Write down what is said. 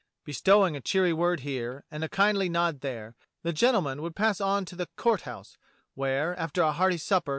Be stowing a cheery word here and a kindly nod there, the gentlemen would pass on to the Court House, where, after a hearty supper.